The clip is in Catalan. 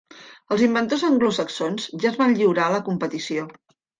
Els inventors anglosaxons ja es van lliurar a la competició.